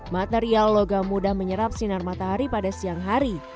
material logam mudah menyerap sinar matahari pada siang hari